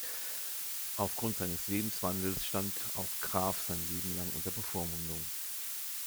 Aufgrund seines Lebenswandels stand auch Graf sein Leben lang unter Bevormundung.